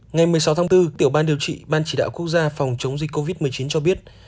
ngày một mươi sáu tháng bốn tiểu ban điều trị ban chỉ đạo quốc gia phòng chống dịch covid một mươi chín cho biết